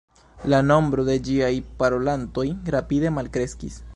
La nombro de ĝiaj parolantoj rapide malkreskis.